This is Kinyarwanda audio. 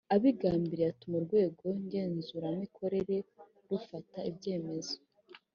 abigambiriye atuma urwego ngenzuramikorere rufata ibyemezo .